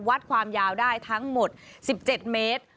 วัดความยาวได้ทั้งหมด๑๗เมตร